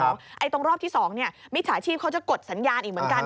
ไอ้ตรงรอบที่๒มิจฉาชีพเขาจะกดสัญญาณอีกเหมือนกัน